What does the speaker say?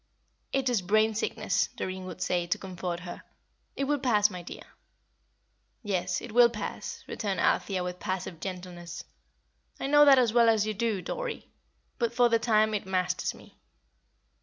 "It is brain sickness," Doreen would say, to comfort her. "It will pass, my dear." "Yes, it will pass," returned Althea, with passive gentleness. "I know that as well as you do, Dorrie; but for the time it masters me.